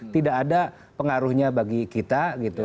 tidak ada pengaruhnya bagi kita gitu